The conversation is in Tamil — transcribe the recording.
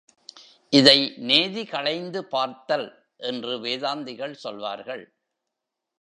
இதை நேதி களைந்து பார்த்தல் என்று வேதாந்திகள் சொல்வார்கள்.